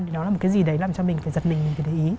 thì nó là một cái gì đấy làm cho mình phải giật mình phải để ý